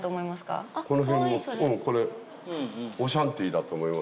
この辺の。